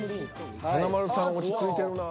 ［華丸さん落ち着いてるな］